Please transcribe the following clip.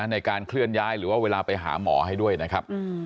ในการเคลื่อนย้ายหรือว่าเวลาไปหาหมอให้ด้วยนะครับ